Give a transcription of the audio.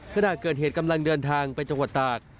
ขณะเกิดเหตุกำลังเดินทางไปจังหวัดตาก